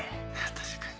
確かに。